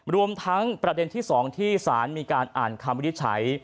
รวมทั้งประเด็นที่๒ที่ศรานมีการอ่านคำวิวใช้